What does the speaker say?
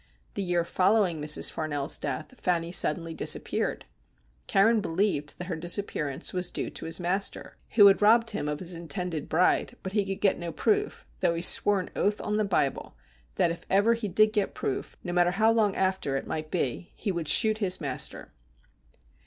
The year following Mrs. Farnell's death, Fanny suddenly disappeared. Carron believed that her dis appearance was due to his master, who had robbed him of his intended bride, but he could get no proof, though he swore an oath on the Bible that if ever he did get proof, no matter how long after it might be, he would shoot his master.